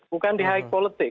bukan di high politik